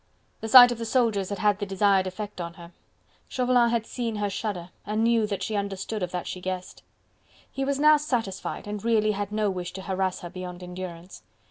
The sight of the soldiers had had the desired effect on her. Chauvelin had seen her shudder and knew that she understood or that she guessed. He was now satisfied and really had no wish to harass her beyond endurance.